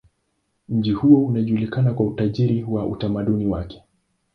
Mji huo unajulikana kwa utajiri wa utamaduni wake.